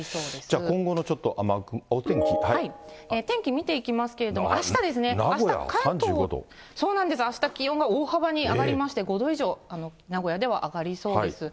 じゃあ、今後のちょっと、天気見ていきますけれども、名古屋３５度？あした関東、そうなんです、あした気温が大幅に上がりまして、５度以上、名古屋では上がりそうです。